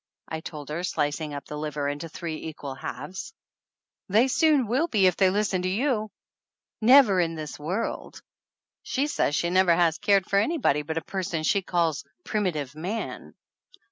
I told her, slicing up the liver into three equal halves. THE ANNALS OF ANN "They soon will be if they listen to you !" "Never in this world ! She says she never has cared for anybody but a person she calls 'Prim itive Man